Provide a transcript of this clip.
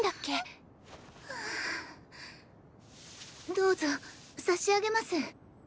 どうぞ差し上げます。